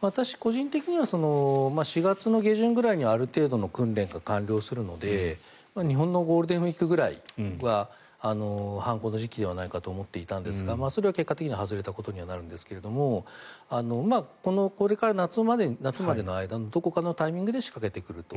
私個人的には４月下旬ぐらいにはある程度の訓練が完了するので日本のゴールデンウィークぐらいが反攻の時期ではないかと思っていたんですがそれは結果的には外れたことになるんですがこれまで夏までの間のどこかのタイミングで仕掛けてくると。